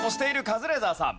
カズレーザーさん。